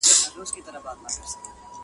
بس د رڼا په تمه ژوند کوي رڼا نه لري٫